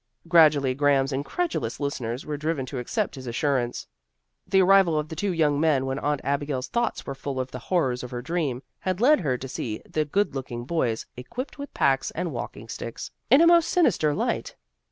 Gradually Graham's incredulous listeners were driven to accept his assurance. The arrival of the two young men when Aunt Abigail's thoughts were full of the horrors of her dream, had led her to see the good looking boys, equipped with packs and walking sticks, in a most sinister light.